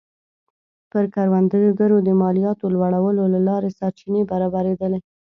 پر کروندګرو د مالیاتو لوړولو له لارې سرچینې برابرېدلې